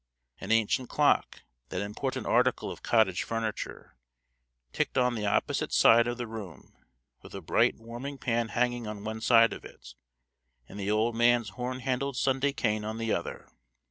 An ancient clock, that important article of cottage furniture, ticked on the opposite side of the room, with a bright warming pan hanging on one side of it, and the old man's horn handled Sunday cane on the other.